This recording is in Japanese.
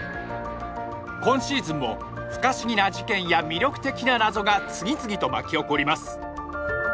今シーズンも不可思議な事件や魅力的な謎が次々と巻き起こります